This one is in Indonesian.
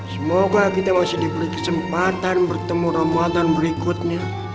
semoga kita masih diberi kesempatan bertemu ramadan berikutnya